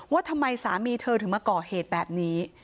ว่าทำไมสามีเธอถึงมาก่อเหตุแบบนี้